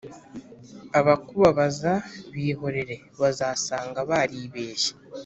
abakubabaza bihorere bazasanga baribeshye